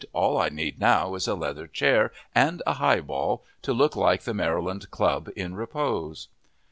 "All I need now is a leather chair and a highball to look like the Maryland Club in repose!"